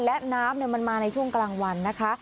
และน้ำมันมาในช่วงกลางวันนะคะ